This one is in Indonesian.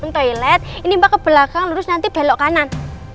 toilet ini mbak ke belakang lurus nanti belok kanan